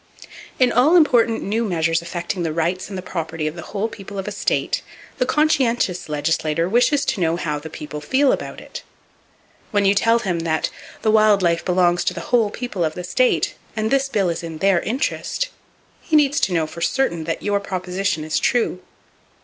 In all important new measures affecting the rights and the property of the whole people of a state, the conscientious legislator wishes to know how the people feel about it. When you tell him that "The wild life belongs to the whole people of the state; and this bill is in their interest," he needs to know for certain that your proposition is true.